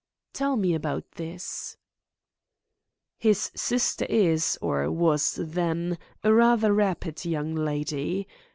"Tell me about this." "His sister is, or was then, a rather rapid young lady.